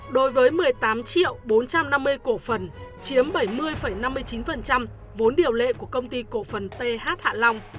đối với một mươi tám bốn trăm năm mươi cổ phần chiếm bảy mươi năm mươi chín vốn điều lệ của công ty cổ phần th hạ long